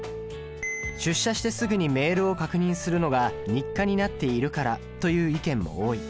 出社してすぐにメールを確認するのが日課になっているからという意見も多い。